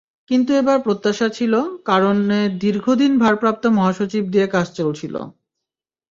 কিন্তু এবার প্রত্যাশা ছিল, কারণে দীর্ঘদিন ভারপ্রাপ্ত মহাসচিব দিয়ে কাজ চলছিল।